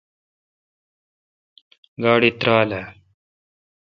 گاڑی ترال اؘ۔